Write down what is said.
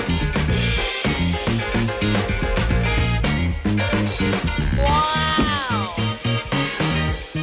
ว้าว